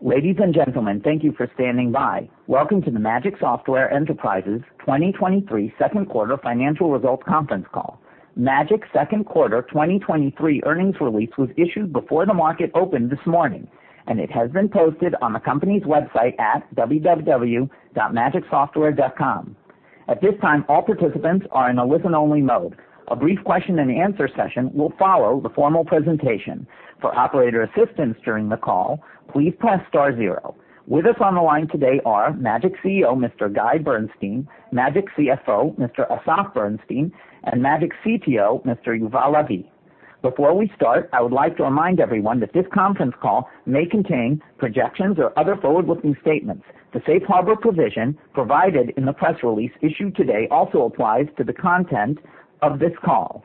Ladies and gentlemen, thank you for standing by. Welcome to the Magic Software Enterprises 2023 Second Quarter Financial Results Conference Call. Magic second quarter 2023 Earnings Release was issued before the market opened this morning, and it has been posted on the company's website at www.magicsoftware.com. At this time, all participants are in a listen-only mode. A brief question and answer session will follow the formal presentation. For operator assistance during the call, please press star zero. With us on the line today are Magic CEO, Mr. Guy Bernstein, Magic CFO, Mr. Asaf Berenstin, and Magic CTO, Mr. Yuval Lavi. Before we start, I would like to remind everyone that this conference call may contain projections or other forward-looking statements. The safe harbor provision provided in the press release issued today also applies to the content of this call.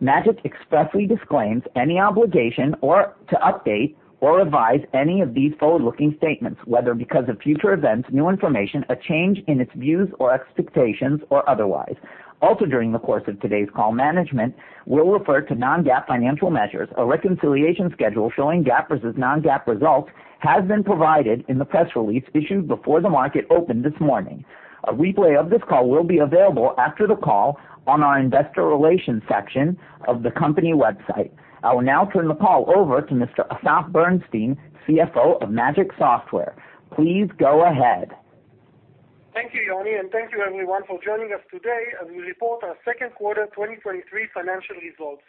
Magic expressly disclaims any obligation or to update or revise any of these forward-looking statements, whether because of future events, new information, a change in its views or expectations, or otherwise. During the course of today's call, management will refer to non-GAAP financial measures. A reconciliation schedule showing GAAP versus non-GAAP results has been provided in the press release issued before the market opened this morning. A replay of this call will be available after the call on our investor relations section of the company website. I will now turn the call over to Mr. Asaf Berenstin, CFO of Magic Software. Please go ahead. Thank you, Yoni, and thank you everyone for joining us today as we report our second quarter 2023 financial results.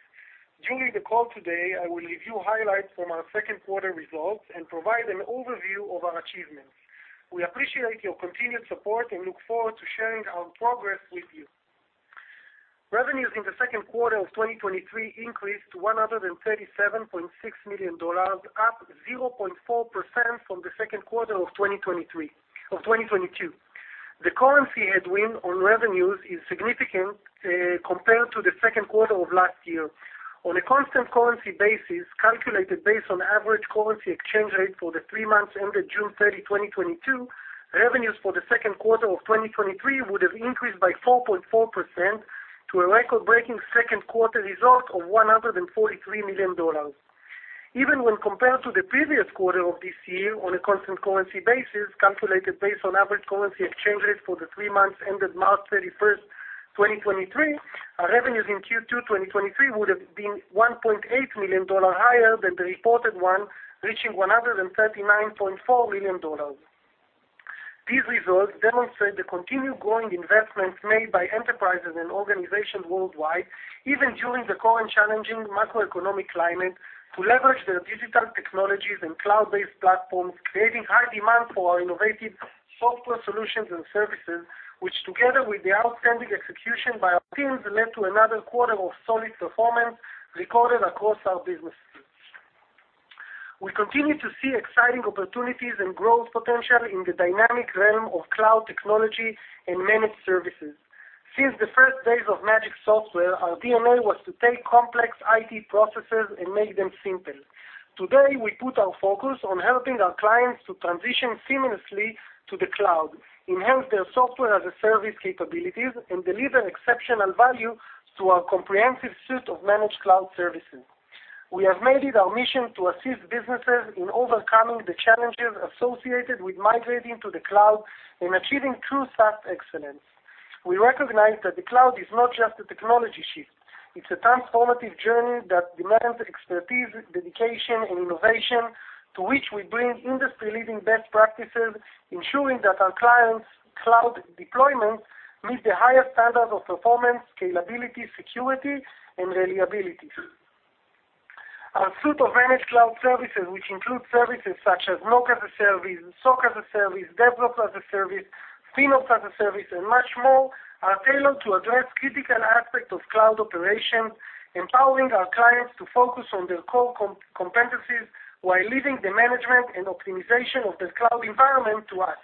During the call today, I will review highlights from our second quarter results and provide an overview of our achievements. We appreciate your continued support and look forward to sharing our progress with you. Revenues in the second quarter of 2023 increased to $137.6 million, up 0.4% from the second quarter of 2022. The currency headwind on revenues is significant compared to the second quarter of last year. On a constant currency basis, calculated based on average currency exchange rate for the three months ended June 30, 2022, revenues for Q2 2023 would have increased by 4.4% to a record-breaking second quarter result of $143 million. Even when compared to the previous quarter of this year on a constant currency basis, calculated based on average currency exchange rate for the three months ended March 31st, 2023, our revenues in Q2 2023 would have been $1.8 million higher than the reported one, reaching $139.4 million. These results demonstrate the continued growing investment made by enterprises and organizations worldwide, even during the current challenging macroeconomic climate, to leverage their digital technologies and cloud-based platforms, creating high demand for our innovative software solutions and services, which, together with the outstanding execution by our teams, led to another quarter of solid performance recorded across our business units. We continue to see exciting opportunities and growth potential in the dynamic realm of cloud technology and managed services. Since the first days of Magic Software, our DNA was to take complex IT processes and make them simple. Today, we put our focus on helping our clients to transition seamlessly to the cloud, enhance their Software as a Service capabilities, and deliver exceptional value through our comprehensive suite of managed cloud services. We have made it our mission to assist businesses in overcoming the challenges associated with migrating to the cloud and achieving true SaaS excellence. We recognize that the cloud is not just a technology shift, it's a transformative journey that demands expertise, dedication, and innovation, to which we bring industry-leading best practices, ensuring that our clients' cloud deployments meet the highest standards of performance, scalability, security, and reliability. Our suite of managed cloud services, which include services such as NOC as a Service, SOC as a Service, DevOps as a Service, FinOps as a Service, and much more, are tailored to address critical aspects of cloud operations, empowering our clients to focus on their core competencies, while leaving the management and optimization of their cloud environment to us.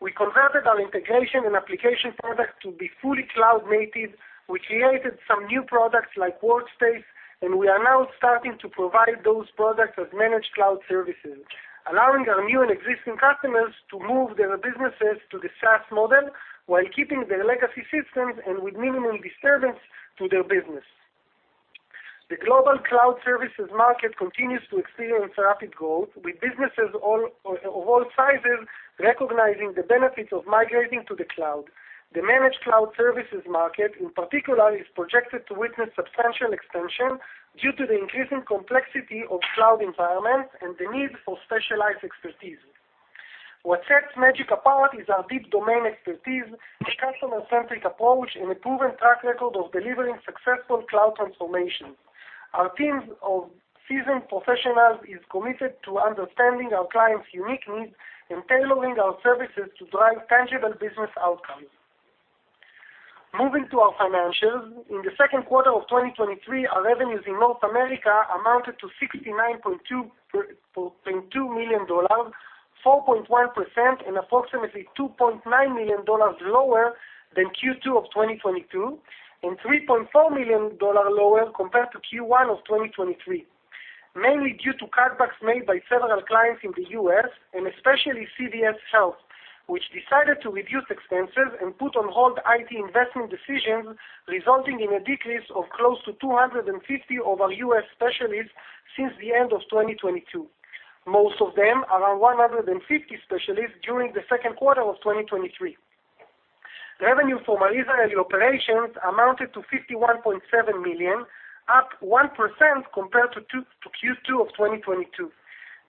We converted our integration and application products to be fully cloud-native. We created some new products like Workspace, and we are now starting to provide those products as managed cloud services, allowing our new and existing customers to move their businesses to the SaaS model while keeping their legacy systems and with minimal disturbance to their business. The global cloud services market continues to experience rapid growth, with businesses all, of all sizes recognizing the benefits of migrating to the cloud. The managed cloud services market, in particular, is projected to witness substantial expansion due to the increasing complexity of cloud environments and the need for specialized expertise. What sets Magic apart is our deep domain expertise, a customer-centric approach, and a proven track record of delivering successful cloud transformations. Our teams of seasoned professionals is committed to understanding our clients' unique needs and tailoring our services to drive tangible business outcomes. Moving to our financials.In the Q2 of 2023, our revenues in North America amounted to $69.2 million, 4.1%, and approximately $2.9 million lower than Q2 of 2022, and $3.4 million lower compared to Q1 of 2023, mainly due to cutbacks made by several clients in the U.S. and especially CVS Health, which decided to reduce expenses and put on hold IT investment decisions, resulting in a decrease of close to 250 of our US specialists since the end of 2022. Most of them, around 150 specialists, during the Q2 of 2023. Revenue for our Israeli operations amounted to $51.7 million, up 1% compared to Q2 of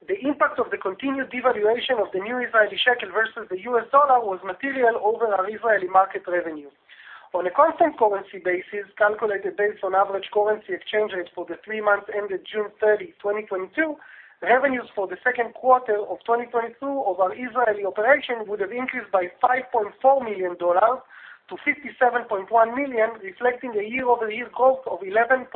2022.The impact of the continued devaluation of the Israeli new shekel versus the US dollar was material over our Israeli market revenue. On a constant currency basis, calculated based on average currency exchange rate for the three months ended June 30, 2022, the revenues for the second quarter of 2022 of our Israeli operation would have increased by $5.4 million-$57.1 million, reflecting a year-over-year growth of 11.1%.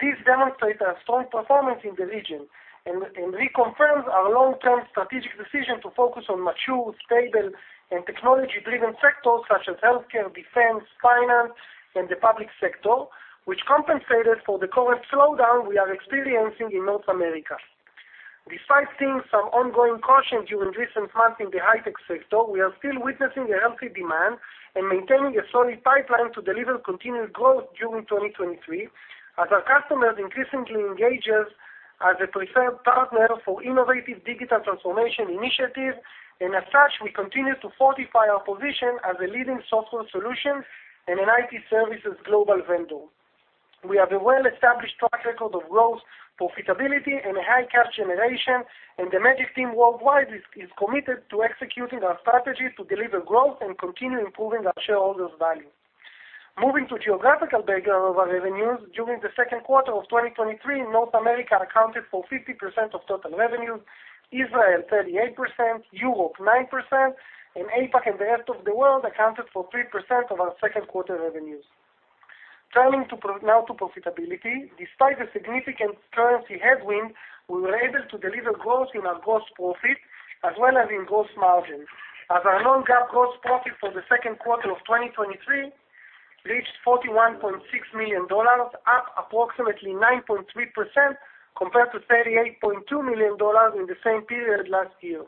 This demonstrates our strong performance in the region and reconfirms our long-term strategic decision to focus on mature, stable, and technology-driven sectors such as healthcare, defense, finance, and the public sector, which compensated for the current slowdown we are experiencing in North America. Despite seeing some ongoing caution during recent months in the high-tech sector, we are still witnessing a healthy demand and maintaining a solid pipeline to deliver continued growth during 2023, as our customers increasingly engages as a preferred partner for innovative digital transformation initiatives, and as such, we continue to fortify our position as a leading software solution and an IT services global vendor. We have a well-established track record of growth, profitability, and a high cash generation, and the Magic team worldwide is committed to executing our strategy to deliver growth and continue improving our shareholders' value. Moving to geographical breakdown of our revenues. During the Q2 of 2023, North America accounted for 50% of total revenues, Israel, 38%, Europe, 9%, and APAC and the rest of the world accounted for 3% of our Q2 revenues. Turning now to profitability. Despite the significant currency headwind, we were able to deliver growth in our gross profit as well as in gross margin. Our non-GAAP gross profit for the second quarter of 2023 reached $41.6 million, up approximately 9.3% compared to $38.2 million in the same period last year.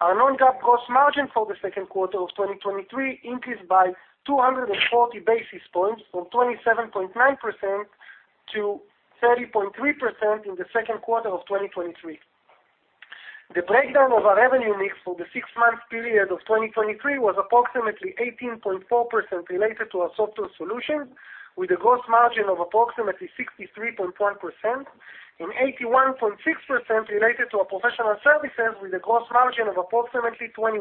Our non-GAAP gross margin for the second quarter of 2023 increased by 240 basis points, from 27.9%-30.3% in the second quarter of 2023. The breakdown of our revenue mix for the six-month period of 2023 was approximately 18.4% related to our software solutions, with a gross margin of approximately 63.1%, and 81.6% related to our professional services with a gross margin of approximately 21.6%.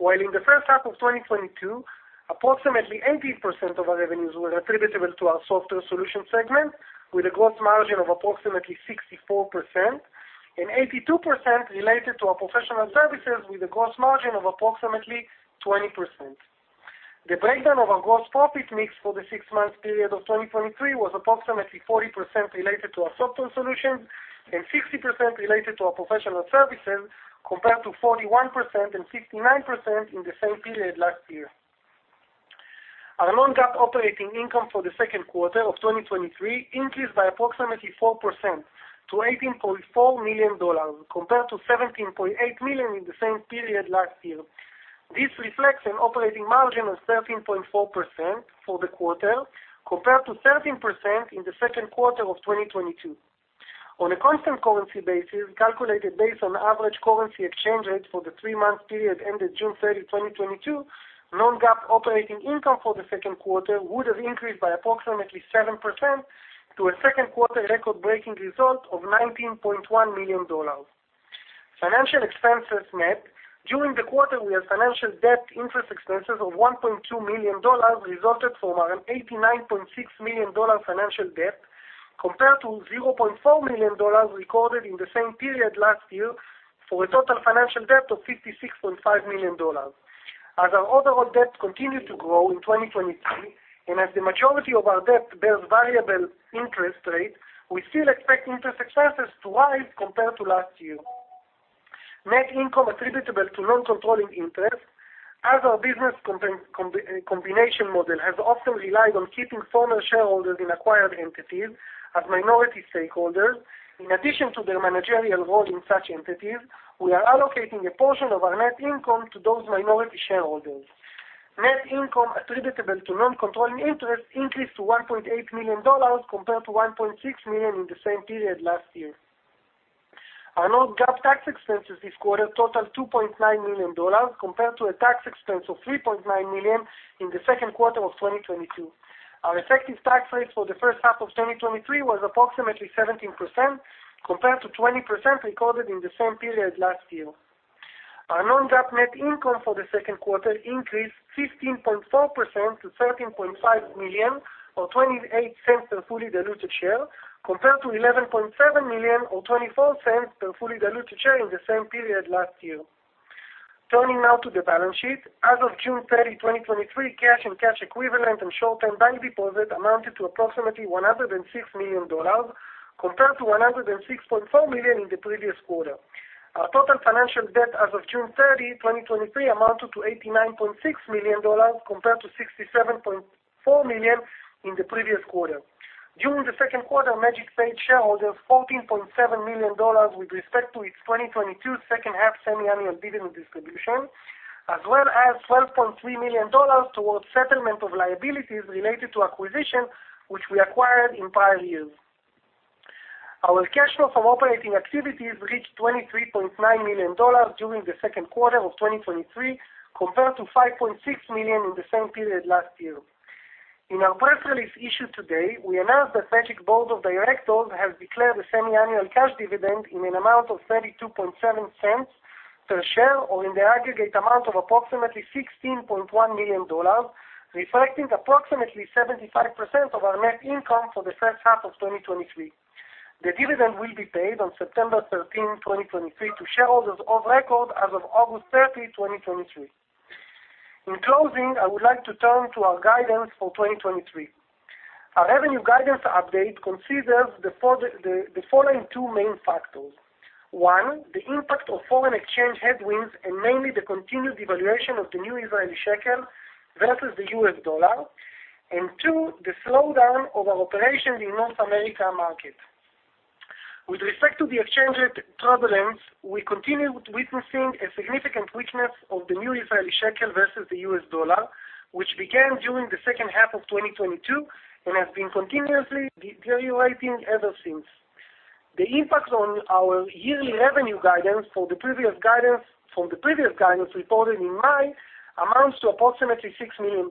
While in the first half of 2022, approximately 80% of our revenues were attributable to our software solution segment, with a gross margin of approximately 64% and 82% related to our professional services with a gross margin of approximately 20%. The breakdown of our gross profit mix for the six-month period of 2023 was approximately 40% related to our software solutions and 60% related to our professional services, compared to 41% and 59% in the same period last year. Our non-GAAP operating income for the second quarter of 2023 increased by approximately 4% to $18.4 million, compared to $17.8 million in the same period last year. This reflects an operating margin of 13.4% for the quarter, compared to 13% in the second quarter of 2022. On a constant currency basis, calculated based on average currency exchange rate for the three-month period ended June 30, 2022, non-GAAP operating income for the second quarter would have increased by approximately 7% to a second quarter record-breaking result of $19.1 million. Financial expenses net. During the quarter, we had financial debt interest expenses of $1.2 million, resulted from our $89.6 million financial debt, compared to $0.4 million recorded in the same period last year, for a total financial debt of $56.5 million. As our overall debt continued to grow in 2023, and as the majority of our debt bears variable interest rate, we still expect interest expenses to rise compared to last year. Net income attributable to non-controlling interests. As our business combination model has often relied on keeping former shareholders in acquired entities as minority stakeholders, in addition to their managerial role in such entities, we are allocating a portion of our net income to those minority shareholders. Net income attributable to non-controlling interests increased to $1.8 million, compared to $1.6 million in the same period last year. Our non-GAAP tax expenses this quarter totaled $2.9 million, compared to a tax expense of $3.9 million in the second quarter of 2022. Our effective tax rate for the first half of 2023 was approximately 17%, compared to 20% recorded in the same period last year. Our non-GAAP net income for the second quarter increased 15.4% to $13.5 million, or $0.28 per fully diluted share, compared to $11.7 million or $0.24 per fully diluted share in the same period last year. Turning now to the balance sheet. As of June 30, 2023, cash and cash equivalent and short-term bank deposits amounted to approximately $106 million, compared to $106.4 million in the previous quarter. During the second quarter, Magic paid shareholders $14.7 million with respect to its 2022 second half semiannual dividend distribution, as well as $12.3 million towards settlement of liabilities related to acquisition, which we acquired in prior years. Our cash flow from operating activities reached $23.9 million during the second quarter of 2023, compared to $5.6 million in the same period last year. In our press release issued today, we announced that Magic Board of Directors has declared a semiannual cash dividend in an amount of $0.327 per share, or in the aggregate amount of approximately $16.1 million, reflecting approximately 75% of our net income for the first half of 2023. The dividend will be paid on September 13th, 2023, to shareholders of record as of August 30, 2023. In closing, I would like to turn to our guidance for 2023. Our revenue guidance update considers the, the following two main factors: one, the impact of foreign exchange headwinds, and mainly the continued devaluation of the Israeli new shekel versus the US dollar, and two, the slowdown of our operations in North America market. With respect to the exchange rate turbulence, we continue with witnessing a significant weakness of the Israeli new shekel versus the US dollar, which began during the second half of 2022 and has been continuously depreciating ever since. The impact on our yearly revenue guidance for the previous guidance, from the previous guidance reported in May, amounts to approximately $6 million.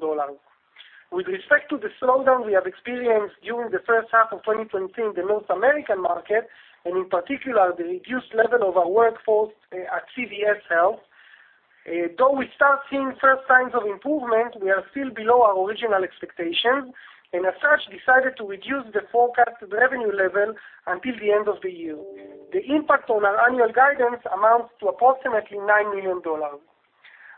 With respect to the slowdown we have experienced during the first half of 2020 in the North American market, and in particular, the reduced level of our workforce at CVS Health, though we start seeing first signs of improvement, we are still below our original expectations, and as such, decided to reduce the forecasted revenue level until the end of the year. The impact on our annual guidance amounts to approximately $9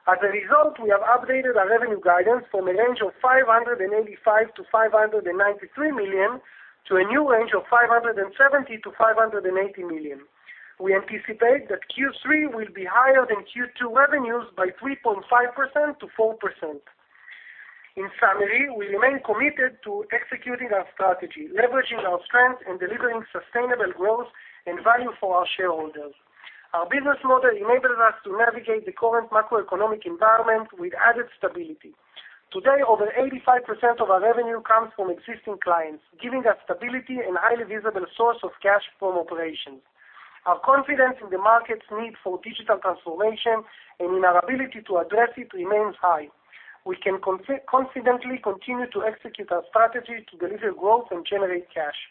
million. As a result, we have updated our revenue guidance from a range of $585 million-$593 million, to a new range of $570 million-$580 million. We anticipate that Q3 will be higher than Q2 revenues by 3.5%-4%. In summary, we remain committed to executing our strategy, leveraging our strength, and delivering sustainable growth and value for our shareholders. Our business model enables us to navigate the current macroeconomic environment with added stability. Today, over 85% of our revenue comes from existing clients, giving us stability and highly visible source of cash from operations. Our confidence in the market's need for digital transformation and in our ability to address it remains high. We can confidently continue to execute our strategy to deliver growth and generate cash.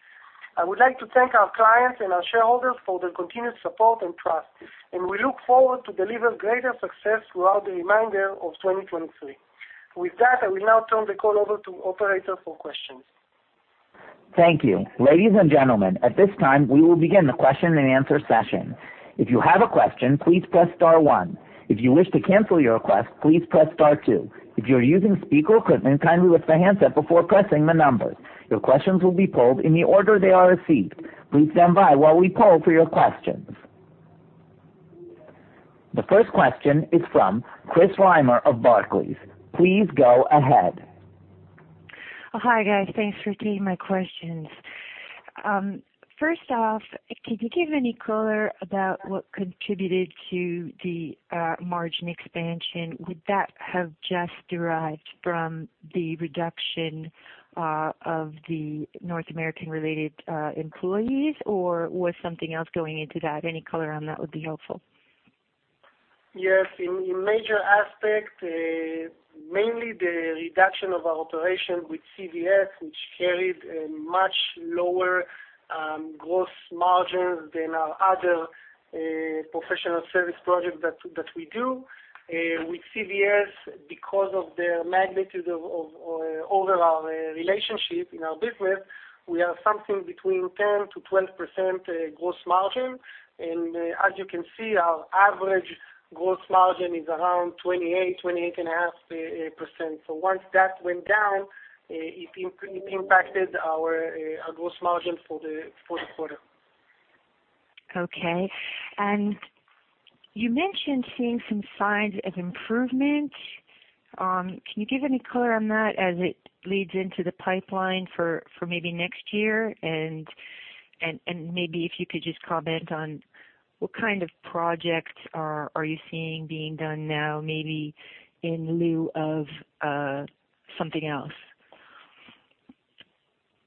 I would like to thank our clients and our shareholders for their continued support and trust, and we look forward to deliver greater success throughout the remainder of 2023. With that, I will now turn the call over to operator for questions. Thank you. Ladies and gentlemen, at this time, we will begin the question and answer session. If you have a question, please press star one. If you wish to cancel your request, please press star two. If you're using speaker equipment, kindly lift the handset before pressing the numbers. Your questions will be polled in the order they are received. Please stand by while we poll for your questions. The first question is from Chris Reimer of Barclays. Please go ahead. Hi, guys. Thanks for taking my questions. First off, could you give any color about what contributed to the margin expansion? Would that have just derived from the reduction of the North American-related employees, or was something else going into that? Any color on that would be helpful. Yes, in, in major aspect, mainly the reduction of our operation with CVS, which carried a much lower gross margin than our other professional service project that we do. With CVS, because of the magnitude of overall relationship in our business, we have something between 10%-12% gross margin, and as you can see, our average gross margin is around 28%-28.5%. Once that went down, it impacted our gross margin for the quarter. Okay. You mentioned seeing some signs of improvement. Can you give any color on that as it leads into the pipeline for maybe next year? Maybe if you could just comment on what kind of projects are you seeing being done now, maybe in lieu of something else?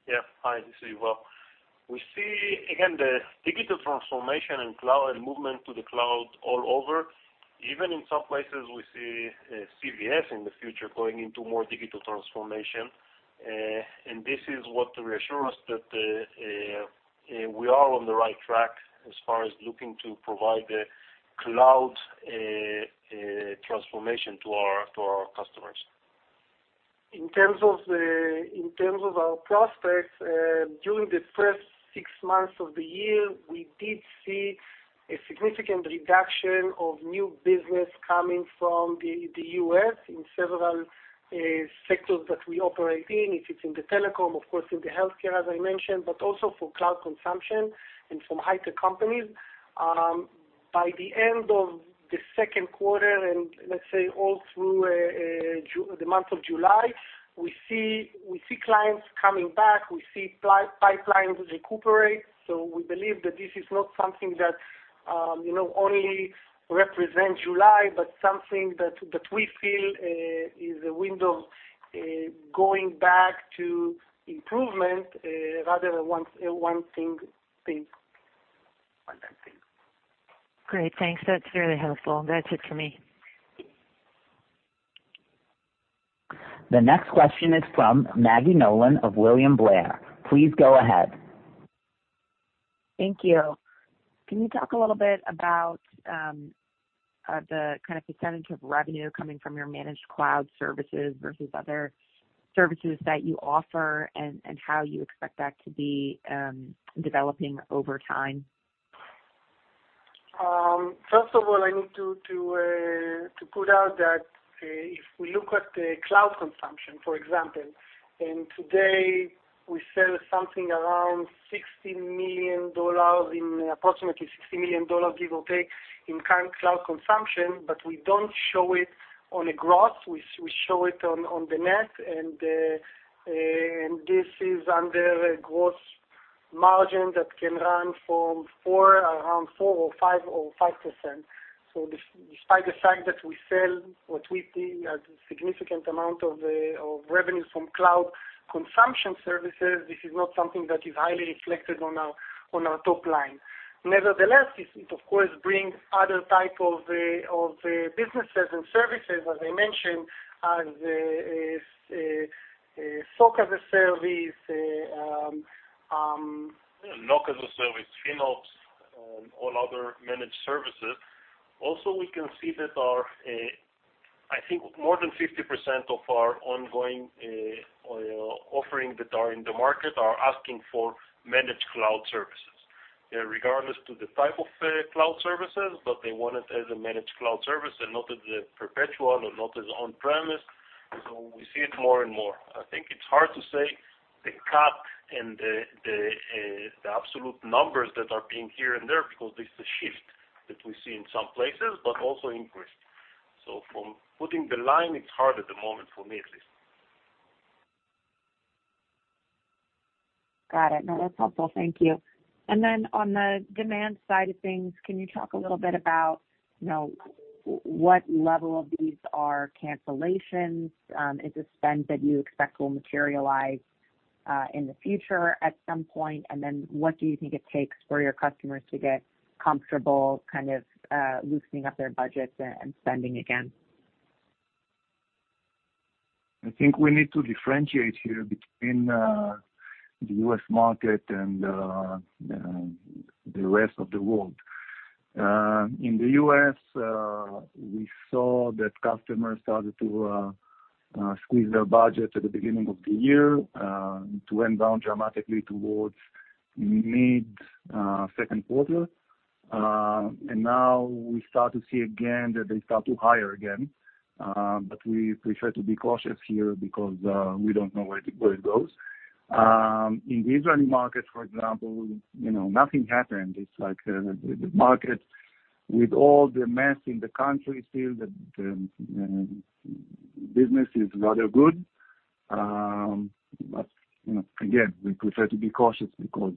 Yeah. Hi, this is Yuval. We see, again, the digital transformation and cloud, and movement to the cloud all over. Even in some places, we see CVS in the future going into more digital transformation. This is what reassure us that we are on the right track as far as looking to provide a cloud transformation to our, to our customers. In terms of the-- In terms of our prospects, during the first six months of the year, we did see a significant reduction of new business coming from the, the U.S. in several sectors that we operate in. It's, it's in the telecom, of course, in the healthcare, as I mentioned, but also for cloud consumption and from high-tech companies. By the end of the second quarter, and let's say, all through the month of July, we see, we see clients coming back, we see pipelines recuperate. We believe that this is not something that, you know, only represents July, but something that, that we feel is a window going back to improvement, rather than one, one thing, thing. One thing. Great, thanks. That's very helpful. That's it for me. The next question is from Maggie Nolan of William Blair. Please go ahead. Thank you. Can you talk a little bit about the kind of percentage of revenue coming from your managed cloud services versus other services that you offer, and how you expect that to be developing over time? First of all, I need to, to put out that, if we look at the cloud consumption, for example, and today, we sell something around $60 million in approximately $60 million, give or take, in current cloud consumption, but we don't show it on a gross, we, we show it on, on the net, and this is under a gross margin that can run from 4%, around 4% or 5% or 5%. Despite the fact that we sell what we see as a significant amount of revenue from cloud consumption services, this is not something that is highly reflected on our, on our top line. Nevertheless, it, of course, brings other type of businesses and services, as I mentioned, as SOC as a service. NOC as a Service, FinOps, all other managed services. We can see that our... I think more than 50% of our ongoing offering that are in the market are asking for managed cloud services. Regardless to the type of cloud services, but they want it as a managed cloud service and not as a perpetual and not as on-premises. We see it more and more. I think it's hard to say the cut and the, the absolute numbers that are being here and there because this is a shift that we see in some places, but also increased. From putting the line, it's hard at the moment, for me at least. Got it. No, that's helpful. Thank you. On the demand side of things, can you talk a little bit about, you know, what level of these are cancellations, is it spend that you expect will materialize in the future at some point? What do you think it takes for your customers to get comfortable kind of loosening up their budgets and spending again? I think we need to differentiate here between the US market and the rest of the world. In the U.S., we saw that customers started to squeeze their budget at the beginning of the year, to went down dramatically towards mid, second quarter. Now we start to see again that they start to hire again, we prefer to be cautious here because we don't know where to, where it goes. In the Israeli market, for example, you know, nothing happened. It's like, the market, with all the mess in the country, still the business is rather good. You know, again, we prefer to be cautious because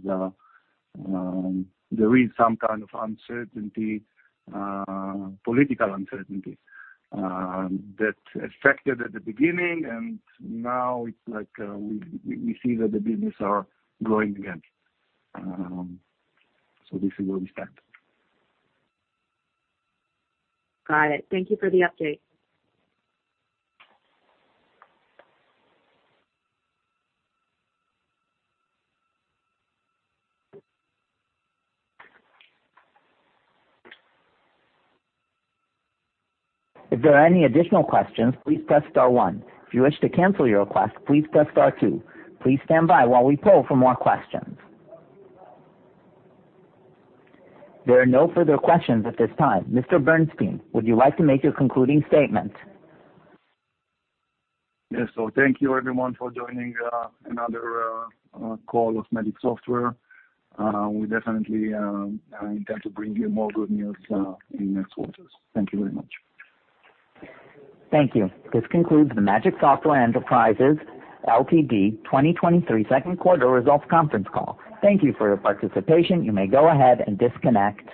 there is some kind of uncertainty, political uncertainty, that affected at the beginning, and now it's like, we, we, we see that the business are growing again. This is where we stand. Got it. Thank you for the update. If there are any additional questions, please press star one. If you wish to cancel your request, please press star two. Please stand by while we poll for more questions. There are no further questions at this time. Mr. Bernstein, would you like to make your concluding statement? Yes. Thank you, everyone, for joining, another call of Magic Software. We definitely intend to bring you more good news in next quarters. Thank you very much. Thank you. This concludes the Magic Software Enterprises, Ltd. 2023 Second Quarter Results Conference Call. Thank you for your participation. You may go ahead and disconnect.